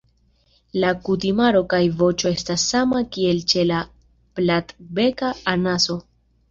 La kutimaro kaj voĉo estas sama kiel ĉe la Platbeka anaso.